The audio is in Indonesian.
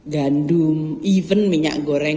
gandum event minyak goreng